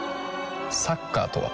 サッカーとは？